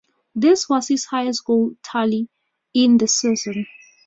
This was his highest goal tally in a season.